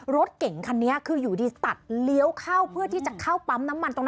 รถเก่งคันนี้คืออยู่ดีตัดเลี้ยวเข้าเพื่อที่จะเข้าปั๊มน้ำมันตรงนั้น